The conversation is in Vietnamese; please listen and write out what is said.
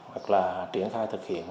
hoặc là triển khai thực hiện